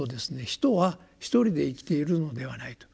人は一人で生きているのではないと。